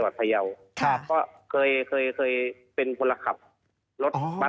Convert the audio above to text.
เขตอำเภอสบเมยอยู่ห่างประมาณ๑๐กว่าโลกรัม